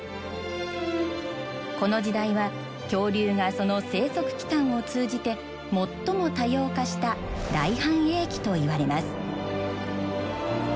この時代は恐竜がその生息期間を通じて最も多様化した大繁栄期といわれます。